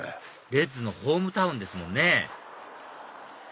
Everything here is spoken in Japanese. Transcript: レッズのホームタウンですもんね